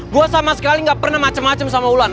gue sama sekali nggak pernah macem macem sama ulan